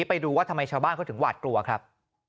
ไปดูว่าทำไมชาวบ้านเขาถึงหวาดกลัวครับ